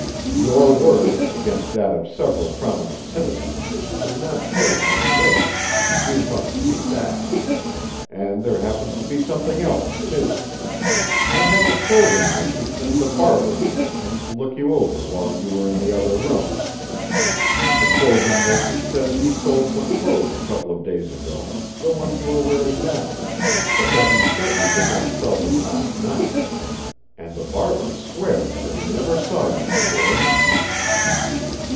"Your word, against that of several prominent citizens, does not carry much weight. You must see that. And there happens to be something else, too. I had the clothing merchant and the barber you mentioned look you over while you were in the other room. The clothing merchant says he sold some clothes a couple of days ago, the ones you are wearing now, but that he certainly did not sell them last night, and the barber swears that he never saw you before!"